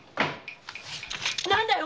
何だよ！